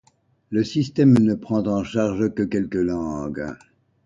Le système ne prend en charge que quelques langues.